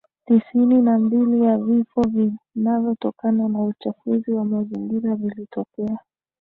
tisini na mbili ya vifo vinavyotokana na uchafuzi wa mazingira vilitokea